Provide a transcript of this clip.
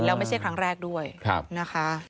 แล้วไม่ใช่ครั้งแรกด้วยนะคะ